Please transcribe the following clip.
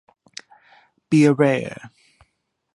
Beware!